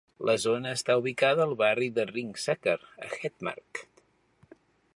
La zona està ubicada al barri de Ringsaker, a Hedmark.